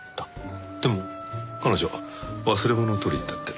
でも彼女忘れ物を取りに行ったって。